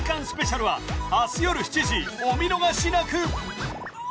スペシャルは明日夜７時お見逃しなく！